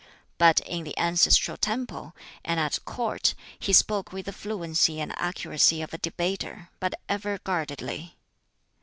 But in the ancestral temple, and at Court, he spoke with the fluency and accuracy of a debater, but ever guardedly.